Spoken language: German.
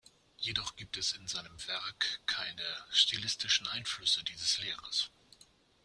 Jedoch gibt es in seinem Werk keine stilistischen Einflüsse dieses Lehrers.